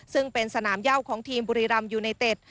ซึ่งเป็นสนามเย่าของทีมบุรีรำยูไนเต็ด